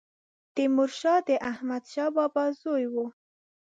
تيمورشاه د احمدشاه بابا زوی و